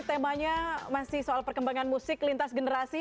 temanya masih soal perkembangan musik lintas generasi